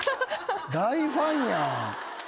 大ファンやん。